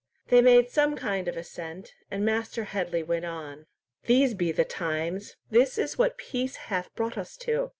They made some kind of assent, and Master Headley went on. "These be the times! This is what peace hath brought us to!